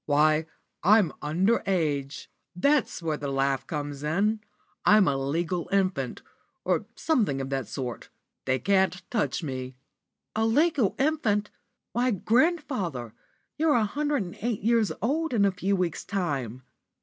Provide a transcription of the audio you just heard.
"Why, I'm under age. That's where the laugh comes in. I'm a legal infant, or something of that sort. They can't touch me." "A legal infant! Why, grandfather, you're a hundred and eight years old in a few weeks' time."